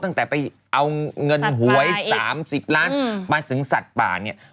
ตั้งแต่ไปเอาเงินหวย๓๐ล้านมาถึงสัตว์ป่าเนี่ย